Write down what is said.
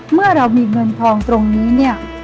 เมื่อเรามีเงินทองตรงนี้